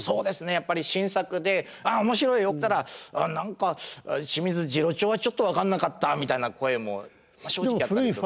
やっぱり新作で「面白いよ」って言ったら「何か『清水次郎長』はちょっと分かんなかった」みたいな声も正直あったりとか。